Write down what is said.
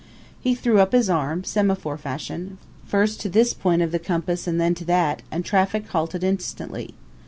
He threw up his arm, semaphore fashion, first to this point of the compass and then to that, and traffic halted instantly.